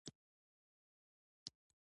رسۍ د وزن تحمل کوي.